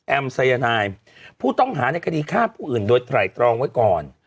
สายนายผู้ต้องหาในคดีฆ่าผู้อื่นโดยไตรตรองไว้ก่อน